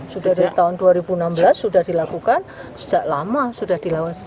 sudah dari tahun dua ribu enam belas sudah dilakukan sejak lama sudah dilakukan